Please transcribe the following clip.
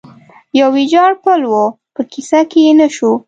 یو ویجاړ پل و، په کیسه کې یې نه شو.